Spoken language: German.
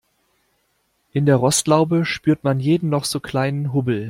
In der Rostlaube spürt man jeden noch so kleinen Hubbel.